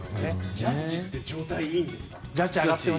ジャッジって調子いいんですか？